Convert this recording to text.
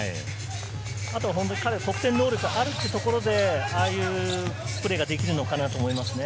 あと本当に彼は得点能力があるというところで、ああいうプレーができるのかなと思いますね。